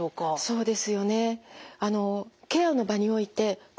そうですよね。